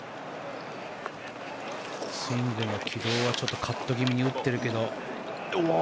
スイングの軌道はちょっとカット気味に打ってるけど。